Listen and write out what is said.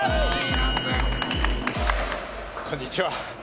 こんにちは。